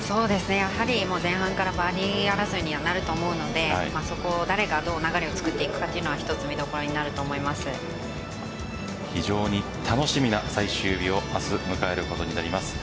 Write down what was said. やはり前半からバーディー争いにはなると思うのでそこを誰がどう流れを作っていくか非常に楽しみな最終日を明日、迎えることになります。